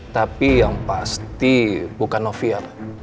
tapi yang pasti bukan novia